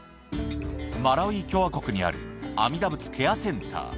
マラウイ共和国にある阿弥陀仏ケアセンター。